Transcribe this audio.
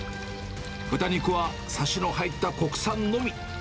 豚肉は、さしの入った国産のみ。